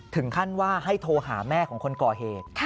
ถึงขั้นว่าให้โทรหาแม่ของคนก่อเหตุ